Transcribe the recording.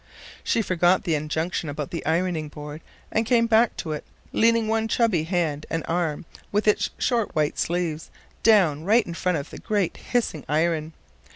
She forgot the injunction about the ironing board and came back to it, leaning one chubby hand and arm, with its short white sleeve, down right in front of the great hissing iron.